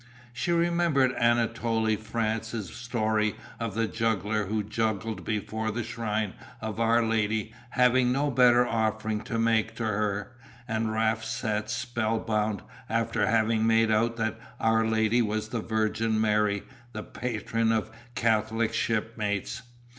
She remembered Anatole France's story of the juggler who juggled before the shrine of Our Lady, having no better offering to make to her, and Raft sat spellbound, after having made out that Our Lady was the Virgin Mary, the patron of Catholic shipmates.